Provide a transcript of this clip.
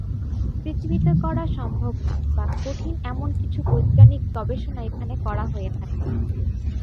পৃথিবীতে করা সম্ভব না বা কঠিন এমন কিছু বৈজ্ঞানিক গবেষণা এখানে করা হয়ে থাকে।